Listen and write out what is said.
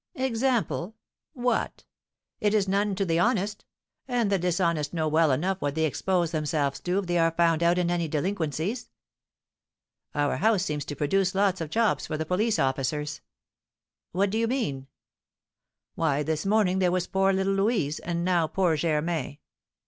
"Example? What? It is none to the honest, and the dishonest know well enough what they expose themselves to if they are found out in any delinquencies." "Our house seems to produce lots of jobs for the police officers." "What do you mean?" "Why, this morning there was poor little Louise, and now poor Germain."